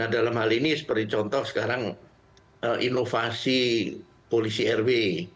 dalam hal ini seperti contoh sekarang inovasi polisi rw